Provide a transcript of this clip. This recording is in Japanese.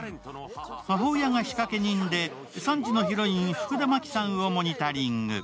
母親が仕掛け人で３時のヒロイン福田麻貴さんをモニタリング。